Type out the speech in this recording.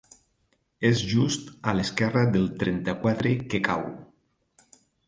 És just a l'esquerra del trenta-quatre que cau.